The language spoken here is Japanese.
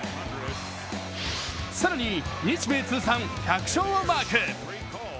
更に日米通算１００勝をマーク。